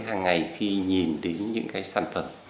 hàng ngày khi nhìn đến những cái sản phẩm